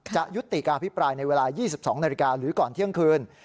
ยุติการอภิปรายในเวลา๒๒นาฬิกาหรือก่อนเที่ยงคืน